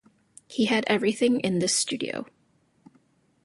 He had everything in this studio.